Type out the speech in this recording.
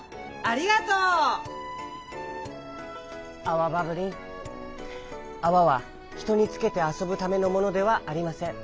アワバブリンあわはひとにつけてあそぶためのものではありません。